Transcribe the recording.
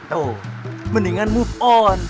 tuh mendingan move on